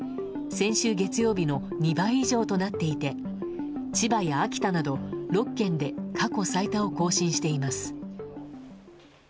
先週月曜日の２倍以上となっていて千葉や秋田など６県で過去最多を更新しています。